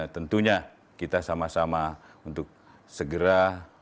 tentunya kita sama sama untuk segera